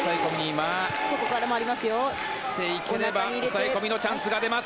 回っていければ、押さえ込みのチャンスがあります。